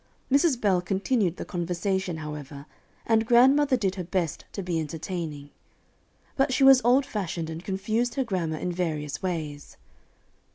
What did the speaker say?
Mrs. Bell continued the conversation, however, and grandmother did her best to be entertaining. But she was old fashioned, and confused her grammar in various ways.